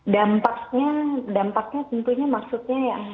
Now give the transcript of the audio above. dampaknya tentunya maksudnya